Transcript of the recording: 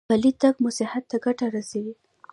پلی تګ مو صحت ته ګټه رسوي.